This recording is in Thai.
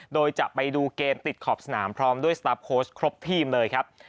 โดยจะไปดูเกมติดขอบสนามพร้อมด้วยสตาร์ฟโค้ชครบทีมเลยครับ